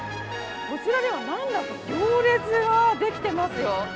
こちらでは行列ができてますよ。